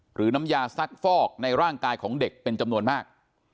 น้ำยาซักฟอกในร่างกายของเด็กเป็นจำนวนมาก